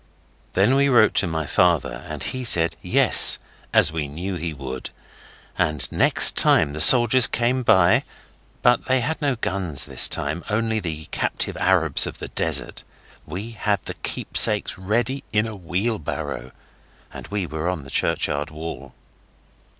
Then we wrote to my father, and he said 'Yes', as we knew he would, and next time the soldiers came by but they had no guns this time, only the captive Arabs of the desert we had the keepsakes ready in a wheelbarrow, and we were on the churchyard wall.